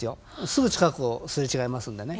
すぐ近くを擦れ違いますんでね。